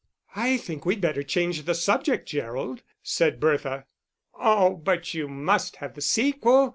"I think we'd better change the subject, Gerald," said Bertha. "Oh, but you must have the sequel.